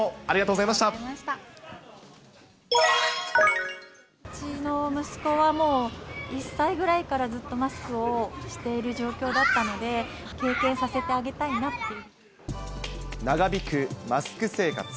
うちの息子はもう、１歳ぐらいからずっとマスクをしている状況だったので、経験させ長引くマスク生活。